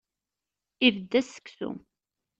Ibedd-as seksu.